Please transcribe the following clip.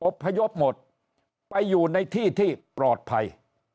พยพหมดไปอยู่ในที่ที่ปลอดภัย